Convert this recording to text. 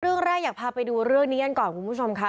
เรื่องแรกอยากพาไปดูเรื่องนี้กันก่อนคุณผู้ชมค่ะ